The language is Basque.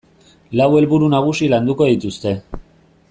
Lau helburu nagusi landuko dituzte.